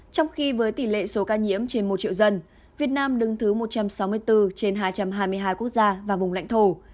trong khi với tỷ lệ số ca nhiễm trên một triệu dân việt nam đứng thứ một trăm sáu mươi bốn trên hai trăm hai mươi hai quốc gia và vùng lãnh thổ